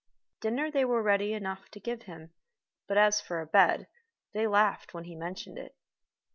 Dinner they were ready enough to give him, but as for a bed, they laughed when he mentioned it.